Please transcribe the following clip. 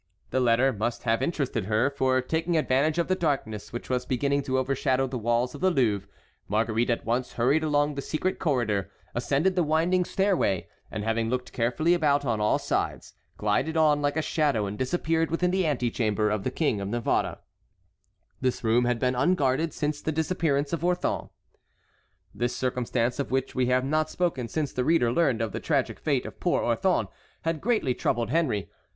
The letter must have interested her, for, taking advantage of the darkness which was beginning to overshadow the walls of the Louvre, Marguerite at once hurried along the secret corridor, ascended the winding stairway, and, having looked carefully about on all sides, glided on like a shadow and disappeared within the antechamber of the King of Navarre. This room had been unguarded since the disappearance of Orthon. This circumstance, of which we have not spoken since the reader learned of the tragic fate of poor Orthon, had greatly troubled Henry.